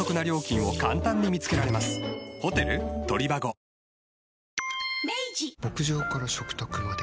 「ビオレ」牧場から食卓まで。